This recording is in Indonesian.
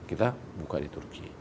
kita buka di turki